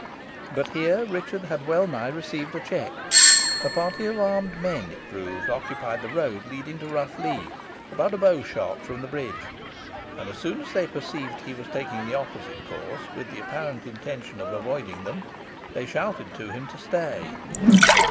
But here Richard had wellnigh received a check. A party of armed men, it proved, occupied the road leading to Rough Lee, about a bow shot from the bridge, and as soon as they perceived he was taking the opposite course, with the apparent intention of avoiding them, they shouted to him to stay.